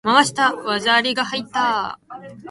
回した！技ありが入った！